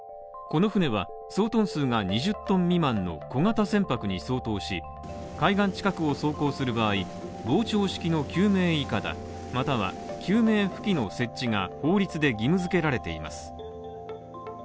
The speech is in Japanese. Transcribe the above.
この船は総トン数が２０ｔ未満の小型船舶に相当し、海岸近くを走行する場合、膨張式の救命いかだまたは救命浮器の設置が法律で義務づけられています。